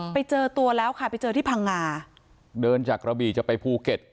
ไปเจอตัวแล้วค่ะไปเจอที่พังงาเดินจากกระบี่จะไปภูเก็ต